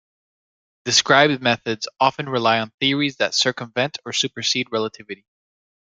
Described methods often rely on theories that circumvent or supersede relativity.